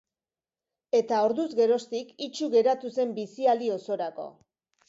Eta orduz geroztik itsu geratu zen bizialdi osorako.